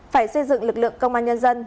phải xây dựng lực lượng công an nhân dân